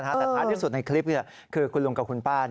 แต่ท้ายที่สุดในคลิปคือคุณลุงกับคุณป้า